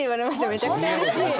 めちゃくちゃうれしい！